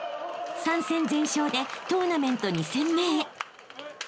［３戦全勝でトーナメント２戦目へ］